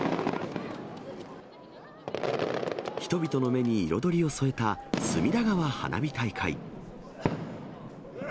人々の目に彩りを添えた隅田川花火大会。